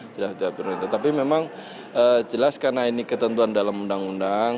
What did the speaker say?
sudah tidak prioritas tetapi memang jelas karena ini ketentuan dalam undang undang